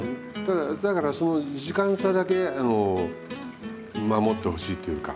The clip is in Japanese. だからその時間差だけ守ってほしいというか。